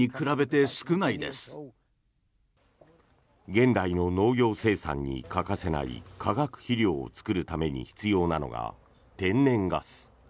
現代の農業生産に欠かせない化学肥料を作るために必要なのが天然ガス。